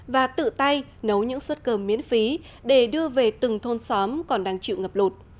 và tự tay nấu những suất cơm miễn phí để đưa về từng thôn xóm còn đang chịu ngập lụt